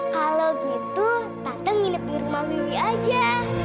kalau gitu tante nginep di rumah wiwi aja